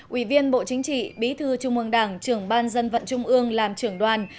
ủy viên bộ chính trị bí thư trung ương đảng trưởng ban dân vận trung ương làm trưởng đoàn